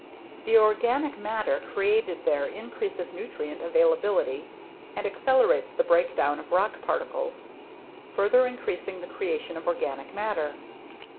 The organic matter created there increases nutrient availability and accelerates the breakdown of rock particles, further increasing the creation of organic matter.